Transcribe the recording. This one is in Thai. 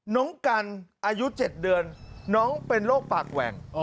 น้องกันอายุ๗เดือนน้องเป็นโรคปากแหว่ง